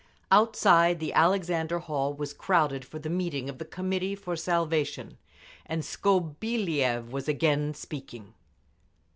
Outside, the Alexander Hall was crowded for the meeting of the Committee for Salvation, and Skobeliev was again speaking.